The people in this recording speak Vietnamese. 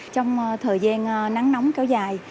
trong thời gian nắng nóng kéo dài